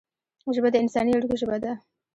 ژبه د انساني اړیکو ژبه ده